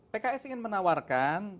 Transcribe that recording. pks ingin menawarkan